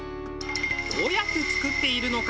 どうやって作っているのか？